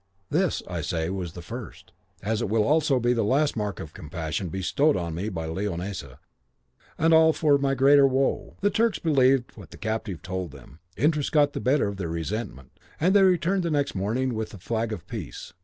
This, I say, was the first, as it will also be the last mark of compassion bestowed on me by Leonisa, and all for my greater woe. "The Turks believed what the captive told them: interest got the better of their resentment, and they returned next morning with a flag of peace.